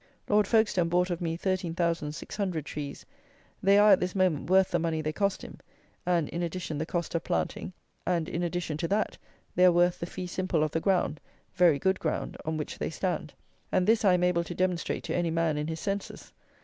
Lord Folkestone bought of me 13,600 trees. They are at this moment worth the money they cost him, and, in addition the cost of planting, and in addition to that, they are worth the fee simple of the ground (very good ground) on which they stand; and this I am able to demonstrate to any man in his senses.